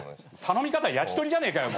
頼み方焼き鳥じゃねえかよ。